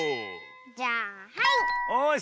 じゃあはい！